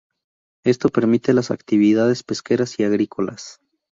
Esto permite las actividades pesqueras y agrícolas.